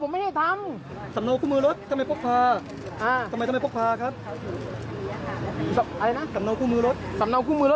ผมปฏิเสธหมดเลย